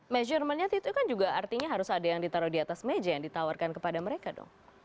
measurementnya itu kan juga artinya harus ada yang ditaruh di atas meja yang ditawarkan kepada mereka dong